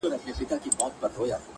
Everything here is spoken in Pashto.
اوس يې څنگه ښه له ياده وباسم؛